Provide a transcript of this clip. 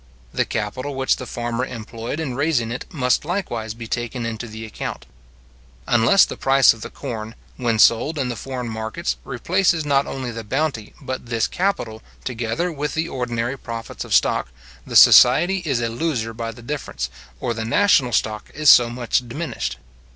The capital which the farmer employed in raising it must likewise be taken into the account. Unless the price of the corn, when sold in the foreign markets, replaces not only the bounty, but this capital, together with the ordinary profits of stock, the society is a loser by the difference, or the national stock is so much diminished.